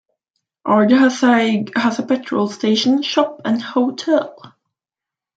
Ardhasaig has a petrol station, shop and hotel.